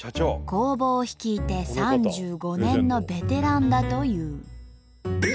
工房を率いて３５年のベテランだという。